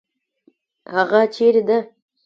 هغه چیرې ده؟